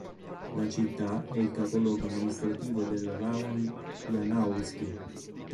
La città è il capoluogo amministrativo del "rajon" Janaul'skij.